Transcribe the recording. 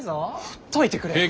ほっといてくれよ。